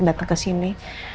datang ke sini